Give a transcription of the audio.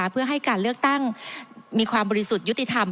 เพื่อให้การเลือกตั้งมีความบริสุทธิ์ยุติธรรม